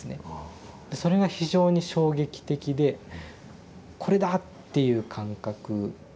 でそれが非常に衝撃的で「これだ！」っていう感覚。